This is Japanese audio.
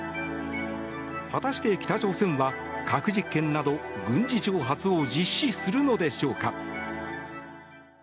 果たして、北朝鮮は核実験など軍事挑発を実施するのでしょうか。